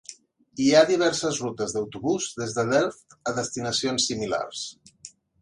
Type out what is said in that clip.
Hi ha diverses rutes d'autobús des de Delft a destinacions similars.